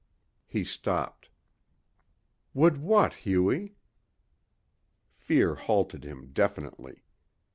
He stopped. "Would what, Hughie?" Fear halted him definitely.